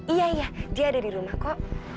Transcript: iya ya dia ada di rumah kok